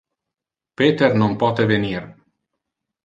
Peter non pote venir.